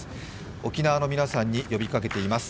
沖縄の皆さんに呼びかけています。